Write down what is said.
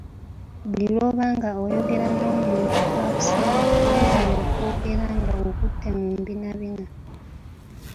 Buli lw’obanga oyogera n’omuntu akusingako weewale okwogera nga okutte mu mbinabina.